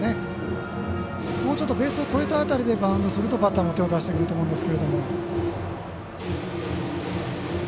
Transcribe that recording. もうちょっとベースを越えた辺りでバウンドするとバッターも手を出してくると思うんですが。